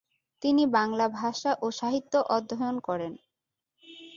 তিনি বাংলাভাষা ও সাহিত্য অধ্যয়ন করেন।